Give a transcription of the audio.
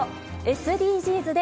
ＳＤＧｓで＃